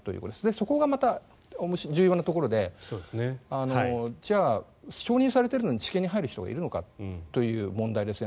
そこがまた重要なところでじゃあ、承認されているのに治験に入る人がいるのかという問題ですね。